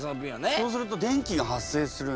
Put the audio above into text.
そうすると電気が発生するんだ。